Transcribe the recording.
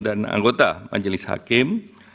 dan anggota majelis hakim